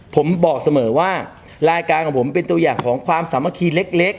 ผมบอกเสมอว่ารายการของผมเป็นตัวอย่างของความสามัคคีเล็ก